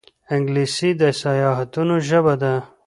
انګلیسي د سیاحانو ژبه ده